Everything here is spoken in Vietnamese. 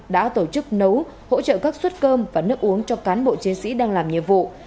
đã tổ chức nấu hỗ trợ các suất cơm và nước uống cho cán bộ chiến sĩ đang làm nhiệm vụ